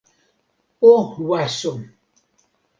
o waso!